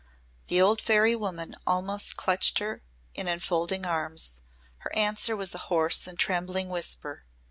The old fairy woman almost clutched her in enfolding arms. Her answer was a hoarse and trembling whisper.